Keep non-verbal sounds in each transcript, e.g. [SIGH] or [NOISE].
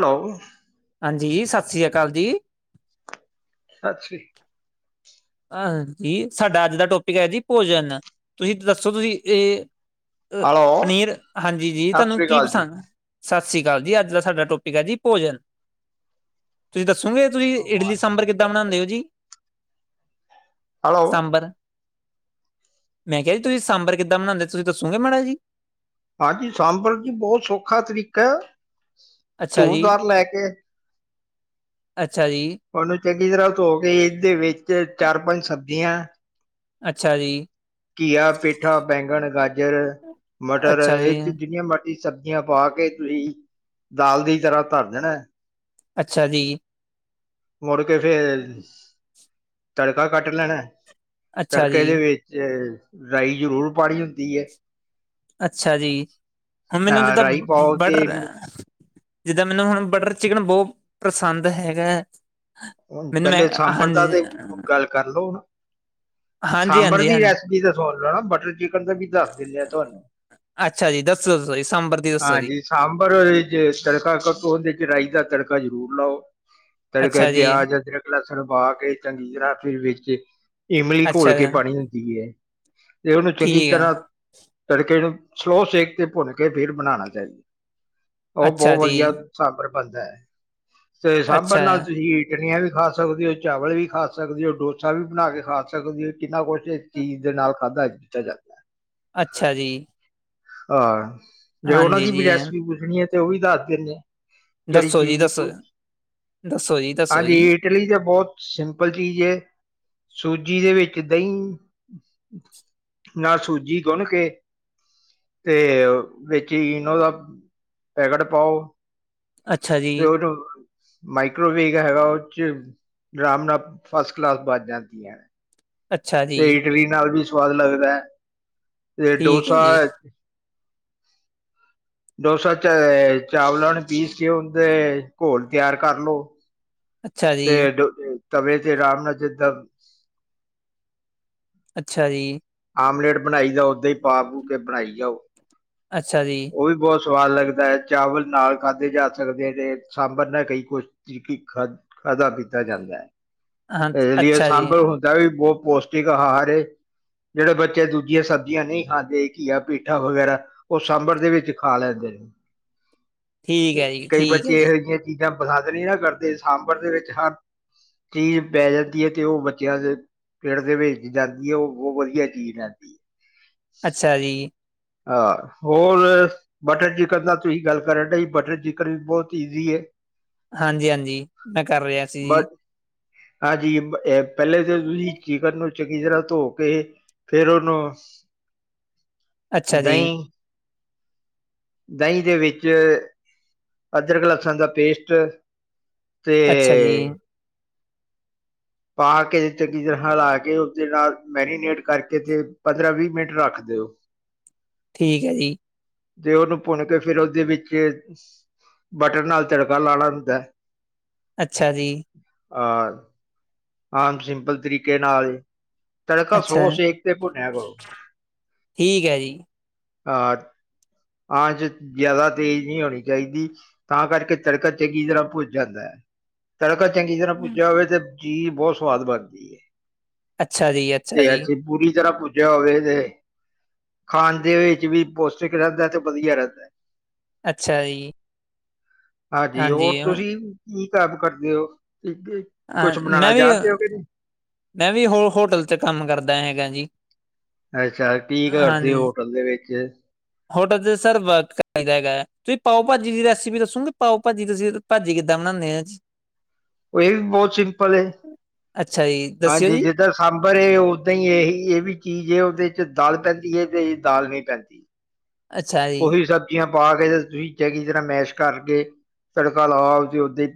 Hello, ਹਾਂਜੀ ਸਤਿ ਸ੍ਰੀ ਅਕਾਲ ਜੀ, ਸਤਿ ਸ਼੍ਰੀ- ਹਾਜੀ ਸਾਡਾ ਅੱਜ ਦਾ ਟੋਪ ਕ ਐ ਜੀ ਭੋਜਨ, ਤੁਸੀਂ ਦੱਸੋ ਤੁਸੀਂ ਇਹ ਅ ਹੈਲੋ ਪਨੀਰ ਹਾਂਜੀ ਜੀ ਸਤਿ ਤੁਹਾਨੂੰ ਸ੍ਰੀ ਕੀ ਅਕਾਲ ਜੀ ਪਸੰਦ? ਸਤਿ ਸ਼੍ਰੀ ਅਕਾਲ ਜੀ, ਅੱਜ ਦਾ ਸਾਡਾ ਟੋਪਿਕ ਹੈ ਜੀ ਭੋਜਨ, ਤੁਸੀਂ ਦੱਸੋ? ਦੱਸੋਗੇ ਤੁਸੀਂ ਇਡਲੀ ਸਾਂਬਰ ਕਿੱਦਾਂ ਬਣਾਦੇ ਹੋ ਜੀ। ਹੈਲੋ ਸਾਂਬਰ, ਮੈਂ ਕਿਹਾ ਜੀ ਤੁਸੀਂ ਸਾਂਬਰ ਕਿੱਦਾਂ ਬਣਾਦੇ ਤੁਸੀਂ ਦੱਸੋਗੇ, ਮਾੜਾ ਜੀ। ਹਾਂਜੀ ਸਾਂਬਰ ਜੀ ਬਹੁਤ ਸੌਖਾ ਤਰੀਕਾ ਹੈ। ਅੱਛਾ ਤੁਅਰ ਜੀ, ਦਾਲ ਲੈ ਕੇ ਅੱਛਾ ਜੀ, ਉਹਨੂੰ ਚੰਗੀ ਤਰ੍ਹਾਂ ਧੋ ਕੇ ਇਹਦੇ ਵਿੱਚ ਚਾਰ ਪੰਜ ਸਬਜ਼ੀਆਂ ਅੱਛਾ ਜੀ, ਘੀਆ, ਪੇਠਾ, ਬੈਂਗਣ, ਗਾਜਰ, ਮਟਰ ਅੱਛਾ ਇਹੋ ਜੁ ਜੀ, ਜਿਨੀਆ ਮਰਜੀ ਸਬਜ਼ੀਆਂ ਪਾ ਕੇ ਤੁਸੀਂ ਦਾਲ ਦੀ ਤਰ੍ਹਾਂ ਧਰ ਦੇਣਾ। ਅੱਛਾ ਜੀ, ਮੁੜ, ਕਿ ਫੇਰ ਤੜਕਾ ਕੱਟ ਲੈਣਾ। ਅੱਛਾ ਤੜਕਾ ਦੇ ਜੀ, ਵਿੱਚ ਰਾਈ ਜ਼ਰੂਰ ਪਾਣੀ ਹੁੰਦੀ ਹੈ। ਅੱਛਾ ਜੀ ਹੁਣ ਮੈਨੂੰ ਅਹ ਜਿੱਦਾਂ ਰਾਈ ਪਾਓ ਤੇ ਬਟਰ ਜਿੱਦਾਂ ਮੈਨੂੰ ਹੁਣ ਬਟਰ ਚਿਕਨ ਬਹੁਤ ਪਸੰਦ ਹੈਗਾ ਹੈ। ਹੁਣ ਮੈਨੂੰ ਮੈਂ ਪਹਿਲੇ ਸਾਂਬਰ ਹਾਂਜੀ ਦਾ ਤੇ ਗੱਲ ਕਰ ਲੋ, ਹੁਣ ਹਾਂਜੀ ਸਾਂਬਰ ਹਾਂਜੀ ਦੀ ਹਾਂ ਰੈਸਪੀ ਤਾਂ ਸੁਣ ਲ ਨਾ, ਬਟਰ ਚਿਕਨ ਦਾ ਵੀ ਦੱਸ ਦਿੰਦੇ ਆ ਤੁਹਾਨੂੰ, ਅੱਛਾ ਜੀ ਦੱਸੋ ਦੱਸੋ ਜੀ ਸਾਂਬਰ ਦੀ ਦੱਸੋ ਜੀ ਹਾਂਜੀ ਸਾਂਬਰ ਚ ਤੜਕਾ ਉਹਦੇ ਚ ਰਾਈ ਦਾ ਤੜਕਾ ਕਾ ਜ਼ਰੂਰ ਲਾਓ। ਤੜਕੇ ਅੱਛਾ ਜੀ ਪਿਆਜ਼, ਅਦਰਕ ਲਸਣ ਪਾ ਕੇ ਚੰਗੀ ਤਰ੍ਹਾਂ ਫਿਰ ਵਿੱਚ ਇਮਲੀ ਅੱਛਾ ਘੋਲ ਕੇ ਪਾਣੀ ਹੁੰਦੀ ਹੈ, ਤੇ ਉਹਨੂੰ ਚੰਗੀ ਠੀਕ ਹੈ ਤਰ੍ਹਾਂ ਤੜਕੇ ਨੂੰ ਸਲੋਅ ਸੇਕ ਤੇ ਭੁੰਨ ਕੇ ਫਿਰ ਬਣਾਣਾ ਚਾਹੀਦਾ। ਉਹ ਅੱਛਾ ਬਹੁਤ ਜੀ ਵਧੀਆ ਸਾਬਰ ਬਣਦਾ ਹੈ। ਤੇ ਅੱਛਾ ਸਾਂਭਣ ਨਾਲ ਤੁਸੀਂ ਪੀਨੀਆਂ ਵੀ ਖਾ ਸਕਦੇ ਹੋ। ਚਾਵਲ ਵੀ ਖਾ ਸਕਦੇ ਹੋ। ਡੋਸਾ ਵੀ ਬਣਾ ਕੇ ਖਾ ਸਕਦੇ ਹੋ। ਕਿੰਨਾ ਕੁਛ ਇਸ ਚੀਜ਼ ਦੇ ਨਾਲ ਖਾਧਾ ਪੀਤਾ ਜਾਂਦਾ ਹੈ। ਅੱਛਾ ਜੀ। ਹਾਂ। ਜੇ ਉਹਨਾਂ ਹਾਂਜੀ ਦੀ ਵੀ ਜੀ ਰੈਸਪੀ ਪੁੱਛਣੀ ਹੈ ਤੇ ਤੇ ਉਹ ਵੀ ਦੱਸ ਦਿੰਨੇ ਆ। ਦੱਸੋ ਜੀ ਦੱਸੋ, ਦੱਸੋ ਜੀ ਦਸ ਹਾਂਜੀ, ਇਟਲੀ ਤੇ ਬਹੁਤ ਸਿੰਪਲ ਚੀਜ਼ ਐ। ਸੂਜੀ ਦੇ ਵਿੱਚ ਦਹੀਂ, ਨਾਲ ਸੂਜੀ ਗੁੰਨ ਕੇ, ਤੇ ਵਿੱਚ ਇੰਨੋ ਦਾ ਪੈਕਟ ਪਾਓ। ਅੱਛਾ ਜੀ ਤੇ ਉਹਨੂੰ ਮਾਈਕ੍ਰੋਵੇ ਤਾਂ ਉਹ ਚ, ਰਾਮ ਨਾਲ ਫਸਟ ਕਲਾਸ ਬਣ ਜਾਂਦੀਆਂ ਏ। ਅੱਛਾ ਜੀ ਏਹ ਇਡਲੀ ਨਾਲ ਵੀ ਸਵਾਦ ਲੱਗਦਾ ਹੈ ਤੇ ਠੀਕ ਹੈ ਡੋਸਾ ਜੀ ਡੋਸਾ ਚ ਚਾਵਲਾਂ ਨੂੰ ਪੀਸ ਕੇ, ਉਹਦੇ ਘੋਲ ਤਿਆਰ ਕਰਲੋ। ਅੱਛਾ ਤੇ ਜੀ ਡੋ ਏ ਤਵੇ ਤੇ ਰਾਮ ਨਾਲ ਜਿਦਾ ਅੱਛਾ ਜੀ। ਆਮਲੇਟ ਬਣਾਈ ਜਾਉ। ਓਦਾਂ ਹੀ ਪਾ ਪੂ ਕੇ ਬਣਾਈ ਜਾਓ। ਅੱਛਾ ਜੀ। ਉਹ ਵੀ ਬਹੁਤ ਸਵਾਦ ਲੱਗਦਾ ਹੈ। ਚਾਵਲ ਨਾਲ ਖਾਧੇ ਜਾ ਸਕਦੇ ਨੇ। ਸਾਂਬਰ ਨਾਲ ਕਈ ਕੁਛ ਤਿ ਕਿ ਖਾ-ਖਾਧਾ ਪੀਤਾ ਜਾਂਦਾ ਹੈ। ਹਾਂ ਏ ਰੀਅਲ ਅੱਛਾ ਜੀ ਸਾਂਭਰ ਹੁੰਦਾ ਵੀ ਬਹੁਤ ਪੌਸ਼ਟਿਕ ਆਹਾਰ ਹੈ। ਜਿਹੜੇ ਬੱਚੇ ਦੂਜੀਆਂ ਸਬਜ਼ੀਆਂ ਨਹੀਂ ਖਾਂਦੇ ਘੀਆ, ਪੇਠਾ ਵਗੈਰਾ, ਉਹ ਸਾਂਬਰ ਦੇ ਵਿੱਚ ਖਾ ਲੈਂਦੇ ਨੇ। ਠੀਕ ਹੈ ਤੇ ਜੀ ਕਈ ਠੀਕ ਹੈ ਬੱਚੇ ਜੀ ਇਹੋ ਜੀਆ ਚੀ ਚੀਜਾਂ ਪਸੰਦ ਨੀ ਨਾ ਕਰਦੇ, ਸਾਂਬਰ ਦੇ ਵਿੱਚ ਹਰ ਚੀਜ਼ ਪੈ ਜਾਂਦੀ ਹੈ ਤੇ ਉਹ ਬੱਚਿਆਂ ਦੇ ਪੇਟ ਦੇ ਵਿੱਚ ਜਾਂਦੀ ਹੈ। ਉਹ ਬਹੁਤ ਵਧੀਆ ਵਧੀਆ ਚੀਜ਼ ਰਹਿੰਦੀ ਹੈ। ਅੱਛਾ ਜੀ। ਹਾਂ, ਹੋਰ ਬਟਰ-ਚਿਕਨ ਦਾ ਤੁਸੀਂ ਗੱਲ ਕਰਨਡੇ ਸੀ। ਬਟਰ ਚਿਕਨ ਵੀ ਬਹੁਤ ਈਜ਼ੀ ਹੈ। ਹਾਂਜੀ-ਹਾਂਜੀ। ਮੈਂ ਕਰ ਰਿਹਾ ਸੀ ਜੀ। ਬਟ ਹਾਂਜੀ, ਬ ਏ ਪਹਿਲੇ ਤੇ ਤੁਸੀਂ ਚਿਕਨ ਨੂੰ ਚੰਗੀ ਤਰਾਂ ਧੋ ਕੇ ਫੇਰ ਉਹਨੂੰ ਅੱਛਾ ਜੀ। ਦਹੀਂ ਦਹੀਂ ਦੇ ਵਿੱਚ ਅਦਰਕ ਲੱਸਣ ਦਾ ਪੇਸਟ- ਅੱਛਾ ਜੀ ਤੇ- ਪਾ ਕੇ ਚੰਗੀ ਤਰ੍ਹਾਂ ਹਲਾ ਕੇ ਉਸਦੇ ਨਾਲ ਮੈਰੀਨੇਟ ਕਰਕੇ ਤੇ ਪੰਦਰਾਂ ਵੀਹ ਮਿੰਟ ਰੱਖ ਦਿਓ। ਠੀਕ ਐ ਜੀ। ਤੇ ਉਹਨੂੰ ਭੁੰਨ ਕੇ ਫ਼ੇਰ ਉਹਦੇ ਵਿੱਚ ਬਟਰ ਨਾਲ ਤੜਕਾ ਲਾਣਾ ਹੁੰਦਾ। ਅੱਛਾ ਜੀ। ਆ ਹਾ- ਆਮ ਸਿੰਪਲ ਤਰੀਕੇ ਨਾਲ- ਤੜਕਾ ਅੱਛਾ ਸਲੋ ਸੇਕ ਤੇ ਭੁੰਨਿਆ ਕਰੋ। ਠੀਕ ਹੈ ਜੀ। ਹਾਂ ਆ ਚ ਜ਼ਿਆਦਾ ਤੇਜ਼ ਨਹੀਂ ਹੋਣੀ ਚਾਹੀਦੀ ਤਾਂ ਕਰਕੇ ਤੜਕਾ ਚੰਗੀ ਤਰ੍ਹਾਂ ਭੁੱਜ ਜਾਂਦਾ ਐ। ਤੜਕ- ਚੰਗੀ ਤਰ੍ਹਾਂ ਹਮ। ਭੁਜਿਆ ਹੋਵੇ ਤੇ- ਚੀਜ਼ ਹੀ ਬਹੁਤ ਸਵਾਦ ਬਣਦੀ ਐ। ਅੱਛਾ ਜੀ, ਤੇ ਅੱਛਾ ਜੀ, ਐਸੇ ਪੂਰੀ ਤਰਾ ਭੁ- ਭੁੱਜਿਆ ਹੋਵੇ ਤੇ ਖਾਣ ਦੇ ਵਿੱਚ ਵੀ ਪੋਸ਼ਟਿਕ ਰਹਿੰਦਾ ਤੇ ਵਧੀਆ ਰਹਿੰਦਾ। ਅੱਛਾ ਜੀ, ਹਾਂਜੀ ਹੋਰ ਤੁਸੀਂ- [UNINTELLIGIBLE] ਕਰਦੇ ਹੋ, ਠੀਕ ਐ। ਮੈਂ ਵੀ- ਮੈਂ ਵੀ ਹੋ ਹੋਟਲ ਚ ਕੰਮ ਕਰਦਾ ਹੈਗਾ ਜੀ। ਨਹੀਂ ਅੱਛਾ ਕੀ ਹਾਂ ਕਰਦੇ ਹੋ ਹੋਟਲ ਦੇ ਵਿੱਚ ਹੋਟਲ ਤੇ ਸਰ ਵ ਕਰੀਦਾ ਹੈਗਾ ਐ। ਤੁਸੀਂ ਪਾਓ ਭਾਜੀ ਦੀ ਰੈਸਿਪੀ ਦੱਸੋਗੇ ਪਾਓ ਭਾਜੀ ਤੁਸੀਂ ਭਾਜੀ ਕਿੱਦਾਂ ਬਣਾਨੇ ਆ? ਉਹ ਇਹ ਬਹੁਤ ਸਿੰਪਲ ਐ। ਅੱਛਾ ਜੀ ਦੱਸਿਓ ਹਾਂਜੀ ਜੀ ਜਿੱਦਾਂ ਸਾਂਭਰ ਉਦਾਂ ਏਹ ਹੀ ਇਹ ਵੀ- [UNINTELLIGIBLE] ਜੇ ਉਹਦੇ ਚ ਦਾਲ ਪੈਂਦੀ ਹੈ ਤੇ ਦਾਲ ਨਹੀਂ ਪੈਂਦੀ। ਅੱਛਾ ਜੀ ਉਹੀ ਸਬਜ਼ੀਆਂ- ਪਾ ਕੇ ਤਾਂ ਤੁਸੀਂ ਚੰਗੀ ਤਰ੍ਹਾਂ ਮੈਸ਼ ਕਰਕੇ ਤੜਕਾ ਲਾਓ ਤੇ ਦੇ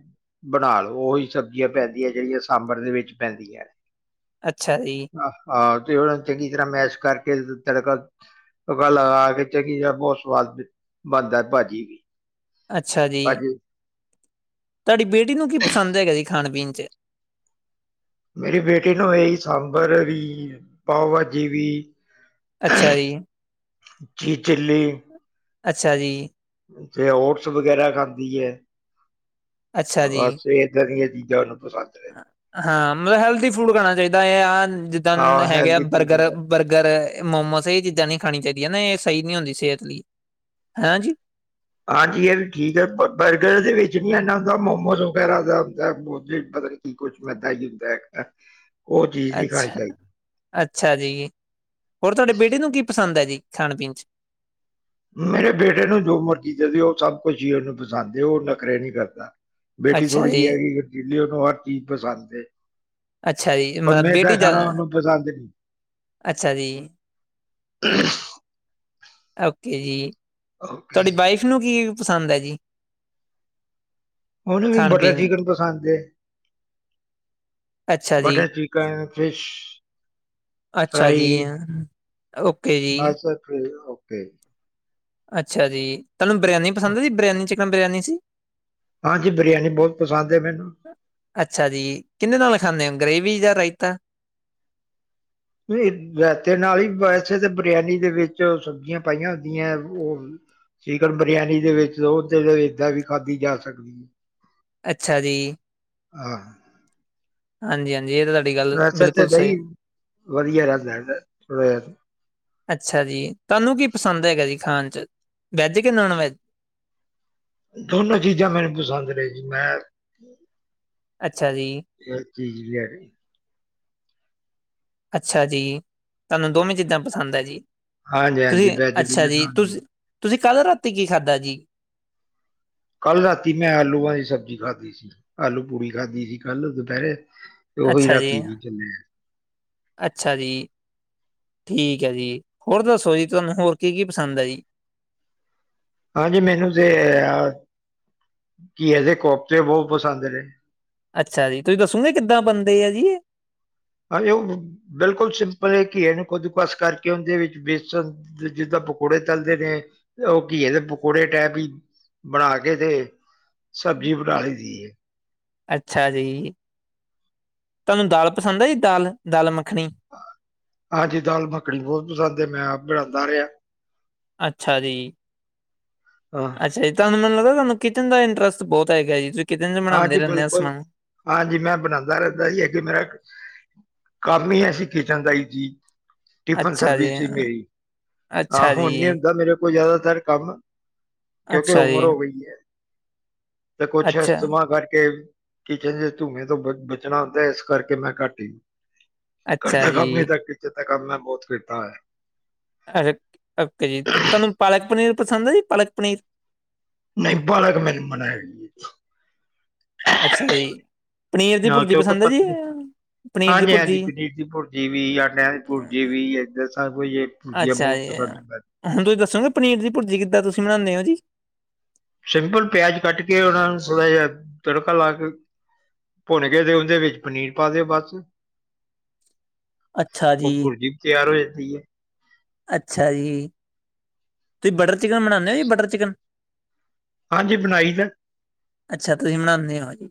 ਬਣਾ ਲਓ, ਉਹੀ ਸਬਜ਼ੀਆਂ ਪੈਂਦੀਆਂ ਜਿਹੜੀਆਂ ਸਾਂਬਰ ਦੇ ਵਿੱਚ ਪੈਂਦੀਆਂ। ਅੱਛਾ ਜੀ। ਨੇ ਹਾਂ ਤੇ ਉਹਨਾਂ ਨੂੰ ਚੰਗੀ ਤਰ੍ਹਾਂ ਮੈਸ਼ ਕਰਕੇ ਤੜਕਾ ਤੁੜਕਾ ਲਗਾ ਕੇ ਚੰਗੀ ਤਰ੍ਹਾਂ- ਬਹੁਤ ਸਵਾਦ ਬਣਦਾ ਭਾਜੀ ਵੀ- ਅੱਛਾ ਜੀ ਭਾਜੀ ਤੁਹਾਡੀ ਬੇਟੀ ਨੂੰ ਕੀ ਪਸੰਦ ਹੈਗਾ ਜੀ- ਖਾਣ ਪੀਣ 'ਚ? ਮੇਰੀ ਬੇਟੀ ਨੂੰ ਇਹੀ ਸਾਂਬਰ ਵੀ, ਪਾਓ ਭਾਜੀ ਵੀ- ਅੱਛਾ ਜੀ ਚੀਜ਼ ਚਿੱਲੀ- ਅੱਛਾ ਜੀ। ਤੇ ਓਟਸ ਵਗੈਰਾ ਖਾਂਦੀ ਐ। ਅੱਛਾ ਜੀ। ਬਸ ਏਦਾਂ ਦੀਆਂ ਚੀ- [INAUDIBLE] ਹਾਂ। ਮੈ ਹੈਲਦੀ ਫੂਡ ਖਾਣਾ ਚਾਹੀਦਾ [UNINTELLIGIBLE] ਜਿੱਦਾਂ ਨ ਆਹ ਹੈਗੇ ਆ ਹੈਲਦੀ ਫੂਡ ਬਰਗਰ, ਬਰਗਰ। ਏ ਮੋਮੋਸ ਇਹ ਚੀਜ਼ਾਂ ਨਹੀਂ ਖਾਣੀ ਚਾਹੀਦੀਆਂ ਨਾ ਇਹ ਸਹੀ ਨਹੀ ਹੁੰਦੀ ਸਿਹਤ ਲਈ, ਹੈਂ ਜੀ। ਹਾਂਜੀ ਇਹ ਵੀ ਠੀਕ ਹੈ ਬ-ਬਰਗਰ ਦੇ ਵਿੱਚ ਨੀ ਇਨਾ ਹੁੰਦਾ ਮੋਮੋਸ ਵਗੈਰਾ ਦਾ ਹੁੰਦਾ ਪਤਾ ਕੀ ਕੁਛ ਮੈਦਾ ਹੀ ਹੁੰਦਾ ਹੈ। ਅੱਛਾ, ਅੱਛਾ ਜੀ ਹੋਰ ਤੁਹਾਡੇ ਬੇਟੇ ਨੂੰ ਕੀ ਪਸੰਦ ਹੈ ਜੀ? ਖਾਣ ਪੀਣ ਚ? ਮੇਰੇ ਬੇਟੇ ਨੂੰ ਜੋ ਮਰਜ਼ੀ ਦੇਦੇਓ ਸਭ ਕੁਛ ਹੀ ਉਹਨੂੰ ਪਸਾਂਦੇ ਉਹ ਨਖਰੇ ਨੀ ਕਰਦਾ। ਬੇਟੀ ਅੱਛਾ ਥੋੜ੍ਹੀ ਜੀ ਜਿਹੀ ਹੈਗੀ ਖ਼ਰਚੀਲੀ ਉਹਨੂੰ ਹਰ ਚੀਜ਼ ਪਸੰਦ ਏ, ਅੱਛਾ ਜੀ ਪਰ ਮਤਲਬ ਮੈਦਾ ਬੇਟੀ ਖਾਣਾ ਜ਼ਿਆਦਾ ਉਹਨੂੰ ਪਸੰਦ ਨੀ। ਅੱਛਾ ਜੀ। ਓਕੇ ਜੀ। ਓਕੇ ਤੁਹਾਡੀ ਵਾਈਫ ਨੂੰ ਕੀ ਪਸੰਦ ਹੈ ਜੀ। ਉਹਨੂੰ ਵੀ ਖਾਣ ਬਟਰ ਪੀਣ ਚਿਕਨ ਪਸੰਦ ਏ। ਅੱਛਾ ਜੀ ਬਟਰ ਚਿਕਨ, ਫਿਸ਼, ਅੱਛਾ ਫਰਾਈ, ਜੀ ਓਕੇ ਜੀ ਬੱਸ ਏ ਹ [INAUDIBLE] ਅੱਛਾ ਜੀ। ਤੁਹਾਨੂੰ ਬਿਰੀਆਨੀ ਪਸੰਦ ਹੈ, ਜੀ ਬਿਰਿਆਨੀ ਚ ਬਰਿਆਨੀ ਜੀ। ਹਾਂਜੀ ਬਿਰਿਆਨੀ ਬਹੁਤ ਪਸੰਦ ਹੈ ਮੈਨੂੰ ਅੱਛਾ ਜੀ ਕਿੰਦੇ ਨਾਲ ਖਾਂਦੇ ਹੋ ਗਰੇਵੀ ਵੀ ਜਾਂ ਰਾਇਤਾ? ਤੇ ਨਾਲ ਹੀ ਵੈਸੇ ਤੇ ਬਰਿਆਨੀ ਦੇ ਵਿੱਚ ਸਬਜ਼ੀਆਂ ਪਾਈਆਂ ਹੁੰਦੀਆਂ ਉਹ ਚਿਕਨ ਬਰਿਆਨੀ ਦੇ ਵਿੱਚ ਉਹਦੇ ਏਦਾਂ ਵੀ ਖਾਧੀ ਜਾ ਸਕਦੀ ਹੈ। ਅੱਛਾ ਜੀ। ਹਾਂਜੀ, ਹਾਂਜੀ। ਅੱਛਾ, ਅੱਛਾ ਦਹੀ ਵਧੀਆ ਰਹਿਣ, ਥੋੜਾ ਜ ਅੱਛਾ ਜੀ। ਤੁਹਾਨੂੰ ਕੀ ਪਸੰਦ ਹੈਗਾ ਜੀ ਖਾਣ? ਵੈਜ ਕਿ ਨੋਨ ਵੈਜ? ਦੋਨੋ ਚੀਜ਼ਾਂ ਮੈਨੂੰ ਪਸੰਦ ਨੇ ਜੀ ਮੈਂ। ਅੱਛਾ ਜੀ, ਇਹ ਚੀਜ਼ ਵੀ ਹੈਗੀ। ਅੱਛਾ ਜੀ ਤੁਹਾਨੂੰ ਦੋਵੇਂ ਚੀਜ਼ਾਂ ਪਸੰਦ ਹੈ ਜੀ। ਹਾਂਜੀ ਹਾਂਜੀ ਤੁਸੀਂ ਵੈਜ ਵੀ ਅੱਛਾ ਜੀ ਤੁਸ ਤੁਸੀਂ। ਕੱਲ ਰਾਤੀ ਕੀ ਖਾਧਾ ਜੀ? ਕੱਲ ਰਾਤੀ ਮੈਂ ਆਲੂਆਂ ਦੀ ਸਬਜ਼ੀ ਖਾਧੀ ਸੀ। ਆਲੂ ਪੂੜੀ ਖਾਧੀ ਸੀ ਕੱਲ ਦੁਪਹਿਰੇ। ਤੇ ਉਹੀ ਅੱਛਾ ਜੀ, ਰਾਤੀ ਵੀ ਜ ਮੈਂ ਅੱਛਾ ਜੀ ਠੀਕ ਹੈ ਜੀ ਹੋਰ ਦੱਸੋ ਜੀ ਤੁਹਾਨੂੰ ਹੋਰ ਕੀ ਕੀ ਪਸੰਦ ਹੈ ਜੀ। ਹਾਂਜੀ। ਮੈਨੂੰ ਤੇ ਕੀ ਘਿਏ ਦੇ ਕੋਫਤੇ ਬਹੁਤ ਪਸੰਦ ਨੇਹੇ ਅੱਛਾ ਜੀ। ਤੁਸੀਂ ਦੱਸੋਗੇ ਕਿੱਦਾਂ ਬੰਦੇ ਆ ਜੀ ਇਹ ਹਾਂ ਉਹ ਬਿਲਕੁਲ ਸਿੰਪਲ ਘੀਏ ਨੂੰ ਖੁਦਕਸ ਕਰਕੇ ਉਹਦੇ ਵਿੱਚ ਬੇਸਣ ਦੇ ਜਿੱਦਾਂ ਪਕੌੜੇ ਤਲਦੇ ਨੇ ਉਹ ਘੀਏ ਦੇ ਪਕੌੜੇ ਟੈਪ ਹੀ ਬਣਾ ਕੇ ਤੇ ਸਬਜ਼ੀ ਬਣਾ ਲਈ ਦੀਏ ਅੱਛਾ ਜੀ ਤੁਹਾਨੂੰ ਦਾਲ ਪਸੰਦ ਆ ਜੀ ਦਾਲ, ਦਾਲ ਮ ਹਾਂਜੀ। ਦਾਲ ਮੱਖਣੀ ਬਹੁਤ ਪਸੰਦ ਹੈ। ਮੈਂ ਆਪ ਬਣਾਂਦਾ ਰਿਹਾ ਅੱਛਾ ਜੀ। ਹਾਂ ਅੱਛਾ ਜੀ। ਤੁਹਾਨੂੰ ਮੈਨੂੰ ਲੱਗਦਾ ਤੁਹਾਨੂੰ ਕਿਚਨ ਦਾ ਇੰਟਰਸਟ ਬਹੁਤ ਹੈਗਾ ਜੀ। ਕਿਚਨ 'ਚ ਬਣਾਉਂਦੇ ਹਾਂਜੀ ਰਹਿੰਦੇ ਹੋ ਬਿਲਕੁਲ ਸਮਾਨ। ਹਾਂਜੀ ਮੈਂ ਬਣਾਦਾ ਰਹਿੰਦਾ ਸੀ ਅਗੇ ਮੇਰਾ ਕੰਮ ਹੀ ਅਸੀਂ ਖਿਚਣ ਦਾਈ ਜੀ। ਟਿਫਨ ਅੱਛਾ ਜੀ, ਸਰਵਿਸ ਸੀ ਮੇਰੀ ਆਹ ਅੱਛਾ ਹੁਣ ਨੀ ਜੀ, ਹੁੰਦਾ ਮੇਰੇ ਕੋਲ ਜ਼ਿਆਦਾ ਕਰ ਕੰਮ ਕਿਉਂਕਿ ਅੱਛਾ ਜੀ, ਉਮਰ ਹੋ ਗਈ ਹੈ। ਤੇ ਕੁਛ ਅੱਛਾ। ਇਸਤੇਮਾਲ ਕਰਕੇ ਕਿਚਨ ਜ ਧੂੰਏ ਤੋਂ ਬ ਬਚਣਾ ਹੁੰਦਾ ਇਸ ਕਰਕੇ ਮੈਂ ਘੱਟ ਹੀ ਹ ਅੱਛਾ ਘਦਾ ਕੰਮ ਨਹੀਂ ਜੀ। ਤ ਕਿਚ- ਕੰਮ ਮੈਂ ਬਹੁਤ ਕੀਤਾ ਹੋਇਆ ਓਕੇ ਜੀ ਤੁਹਾਨੂੰ ਪਾਲਕ ਪਨੀਰ ਪਸੰਦ ਹੈ ਜੀ ਪਾਲਕਪਨੀਰ ਨਹੀਂ ਪਾਲਕ ਮੈਨੂੰ ਮਨਾ ਹੈਗੀ ਐਂ। ਅੱਛਾ ਜੀ ਪਨੀਰ ਦੀ ਪੁਰਜੀ ਪਸੰਦ ਹੈ ਜੀ ਪਨੀਰ ਦੀ ਪੁਰਜੀ ਏਦਾਂ ਸਭ ਕੁਝ ਇਹ ਭੁਰਜੀਆਂ ਅੱਛਾ ਬਹੁਤ ਜੀ ਪਸੰਦ ਹੈ ਹੁਣ ਤੁਸੀਂ ਦੱਸੋਗੇ ਪਨੀਰ ਦੀ ਪੁਰਜੀ ਕਿੱਦਾਂ ਤੁਸੀਂ ਬਣਾਣੇ ਹੋ [UNINTELLIGIBLE] ਸਿੰਪਲ ਪਿਆਜ ਕੱਟ ਕੇ ਉਹਨਾਂ ਨੂੰ ਥੋੜ੍ਹਾ ਜਿਹਾ ਤੜਕਾ ਲਾ ਕੇ ਭੁੰਨ ਕੇ ਤੇ ਉਹਦੇ ਵਿੱਚ ਪਨੀਰ ਪਾ ਦਿਓ ਬਸ ਅੱਛਾ ਉਹ ਜੀ, ਪੁਰਜੀ ਵੀ ਤਿਆਰ ਹੋਏ ਸਹੀ ਹੈ। ਅੱਛਾ ਜੀ। ਤੁਸੀਂ ਬਟਰ ਚਿਕਨ ਬਣਾਨੇ ਹੋ ਜੀ ਬਟਰ ਚਿਕਨ ਹਾਂਜੀ, ਬਣਾਈ ਦਾ। ਅੱਛਾ ਤੁਸੀਂ ਬਨਾਂਦੇ ਹੋ ਜੀ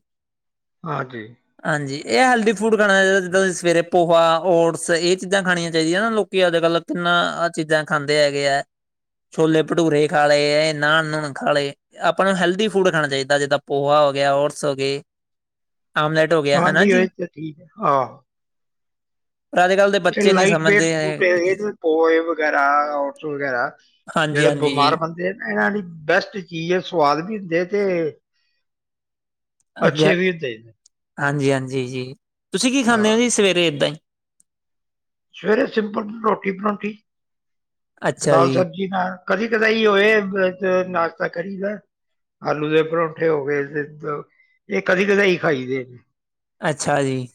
ਹਾਂਜੀ। ਹਾਂਜੀ ਇਹ ਹੈਲਦੀ ਫੂਡ ਖਾਣਾ ਚਾਹੀਦਾ ਜਿੱਦਾਂ ਸਵੇਰੇ ਪੋਹਾ ਓਟਸ ਇਹ ਚੀਜ਼ਾਂ ਖਾਣੀਆਂ ਚਾਹੀਦੀਆਂ ਨਾ ਲੋਕੀ ਅੱਜ -ਕੱਲ੍ਹ ਕਿੰਨਾ ਇਹ ਚੀਜ਼ਾਂ ਖਾਂਦੇ ਹੈਗੇ ਹੈ ਛੋਲੇ ਭਟੂਰੇ ਖਾ ਲਏ ਇਹ ਨਾਣ ਨੂਣ ਖਾ ਲਏ ਆਪਾਂ ਨੂੰ ਹੈਲਦੀ ਫੂਡ ਖਾਣਾ ਚਾਹੀਦਾ ਜਿੱਦਾਂ ਪੋਹਾ ਹੋ ਗਿਆ ਔਟਸ ਹੋ ਗਏ। ਆਮਲੇਟ ਹੋ ਗਿਆ ਹਨਾ ਹਾਂਜੀ ਜੀ ਉਹੀ ਤੇ ਠੀਕ ਹੈ ਆਹ। ਪਰ ਅੱਜ ਕੱਲ੍ਹ ਦੇ ਜਿਹੜੇ ਬੱਚੇ ਨਹੀਂ ਲਾਈਟ ਵੇਟ ਸਮਝਦੇ ਫੂਰਟ ਹੈਗੇ ਜੀ। ਆ ਪੋਹੇ ਵਗੈਰਾ, ਔਟਸ ਵਗੈਰਾ ਹਾਂਜੀ ਜਿਹੜੇ ਹਾਂਜੀ ਜੀ ਬਿਮਾਰ ਬੰਦੇ ਨਾ ਇਹਨਾਂ ਦੀ ਬੈਸਟ ਚੀਜ਼ ਹੈ ਸਵਾਦ ਵੀ ਹੁੰਦੀ ਹੈ ਤੇ- ਅੱਛੇ ਅੱਛਾ ਵੀ ਹੁੰਦੇ ਤੇ ਹਾਂਜੀ- ਹਾਂਜੀ ਜੀ। ਤੁਸੀਂ ਕੀ ਖਾਂਦੇ ਹੋ ਜੀ ਸਵੇਰੇ ਇੱਦਾਂ ਹੀ ਸਵੇਰੇ ਸਿੰਪਲ ਰੋਟੀ ਪਰੋਂਠੀ। ਅੱਛਾ ਦਾਲ ਜੀ ਸਬਜ਼ੀ ਨਾਲ ਕਦੀ ਕਦੇ ਹੋਏ ਨਾਸ਼ਤਾ ਕਰੀ ਦਾ ਆਲੂ ਦੇ ਪਰੋਂਠੇ ਹੋ ਗਏ ਤੇ ਇਹ ਕਦੇ ਕਦੀ ਖਾਈਦੇ ਨੇ। ਅੱਛਾ ਜੀ,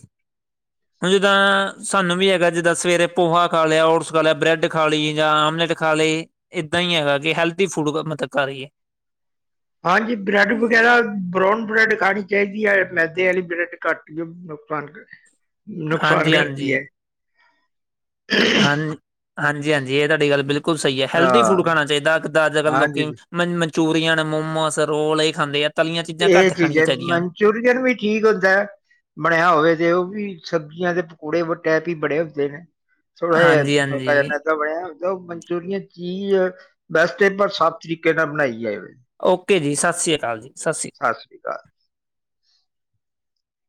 ਹੁਣ ਜਿੱਦਾਂ ਸਾਨੂੰ ਵੀ ਹੈਗਾ ਜਿੱਦਾਂ ਸਵੇਰੇ ਪੋਹਾ ਖਾ ਲਿਆ, ਓਟਸ ਖਾ ਲਿਆ, ਬਰੈਡ ਖਾ ਲਈ ਜਾਂ ਆਮਲੇਟ ਖਾ ਲਈਏ ਇੱਦਾਂ ਹੀ ਹੈਗਾ ਕਿ ਹੈਲਥ ਫੂਡ ਮਤਲਬ ਖਾ ਲਈਏ। ਹਾਂਜੀ ਬ੍ਰੈਡ ਵਗੈਰਾ, ਬਰਾਊਨ ਬ੍ਰੈਡ ਖਾਣੀ ਚਾਹੀਦੀ। ਐ ਮੈਦੇ ਵਾਲੀ ਬ੍ਰੈਡ ਘੱਟ ਨੁਕਸਾਨ ਕਰੇ। ਨੁਕਸਾਨ ਹਾਂਜੀ ਕਰਦੀ ਐ। ਹਾਂਜੀ- ਹਾਂਜੀ- ਹਾਂਜੀ ਇਹ ਤੁਹਾਡੀ ਗੱਲ ਬਿਲਕੁਲ ਸਹੀ ਹੈ ਹੈਲਥੀ ਹਾਂ ਫੂਡ ਖਾਣਾ ਚਾਹੀਦਾ ਕਿੱਦਾਂ ਅੱਜ ਕੱਲ ਹਾਂਜੀ ਲੋਕੀ ਮਨ ਚੂਰੀਆਂ ਨੇ ਮੋਮੋਸ ਰੋਲ ਇਹ ਖਾਂਦੇ ਆ। ਤਲੀਆਂ ਚੀਜ਼ਾਂ ਇਹ ਘੱਟ ਖਾਣੀਆਂ ਚੀਜ਼ਾਂ ਚਾਹੀਦੀਆਂ ਮਨਚੂਰੀਅਨ ਵੀ ਠੀਕ ਹੁੰਦਾ ਬਣਿਆ ਹੋਵੇ ਤੇ ਉਹ ਵੀ। ਸਬਜ਼ੀਆਂ ਦੇ ਪਕੌੜੇ ਵ ਟੈਪ ਹੀ ਬਣੇ ਹੁੰਦੇ ਨੇ। ਥੋੜਾ ਜਿਹਾ ਹਾਂਜੀ ਹਲਕਾ ਜਾ ਹਾਂਜੀ ਖਾਂਦਾ ਹੋਇਆ ਉਹ ਮਨਚੂਰੀਅਨ ਚੀਜ਼ ਵੈਸਟ ਪਰ ਸਾਫ਼ ਤਰੀਕੇ ਨਾਲ ਬਣਾਈ ਜਾਏ। ਓਕੇ ਜੀ, ਸਤਿ ਸ੍ਰੀ ਅਕਾਲ ਜੀ। ਸ਼੍ਰੀ ਅਕਾਲ। ਸਤਿ ਸ੍ਰੀ ਕਾਲ।